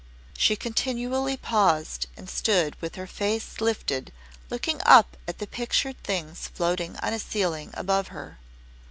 She continually paused and stood with her face lifted looking up at the pictured things floating on a ceiling above her.